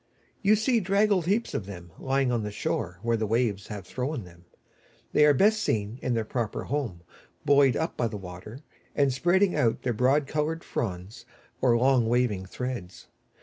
You see draggled heaps of them, lying on the shore where the waves have thrown them. They are best seen in their proper home, buoyed up by the water, and spreading out their broad coloured fronds, or long waving threads.